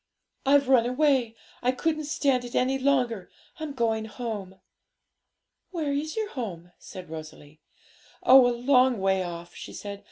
'I've run away; I couldn't stand it any longer. I'm going home.' 'Where is your home?' said Rosalie. 'Oh, a long way off.' she said.